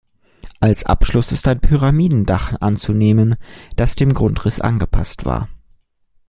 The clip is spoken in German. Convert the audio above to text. Als Abschluss ist ein Pyramidendach anzunehmen, das dem Grundriss angepasst war.